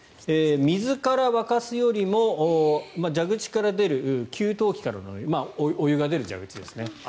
水から沸かすよりも蛇口から出る給湯機からのお湯が出る蛇口ですね